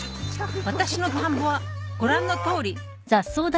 ［私の田んぼはご覧のとおり］